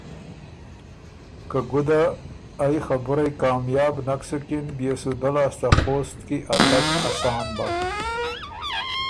که ګُده ائ خبُرئ کامیاب نک سُکِن بيې سو دۀ لاسته خوست کی ا تګ اسان بَۀ۔